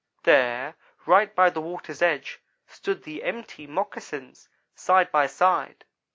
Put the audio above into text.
There, right by the water's edge, stood the empty moccasins, side by side.